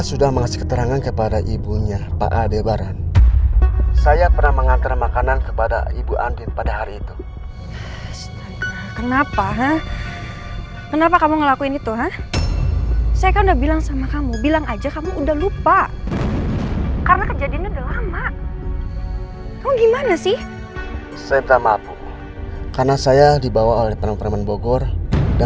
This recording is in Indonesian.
sampai jumpa di video selanjutnya